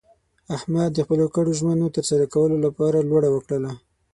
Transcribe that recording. احمد د خپلو کړو ژمنو د ترسره کولو لپاره لوړه وکړله.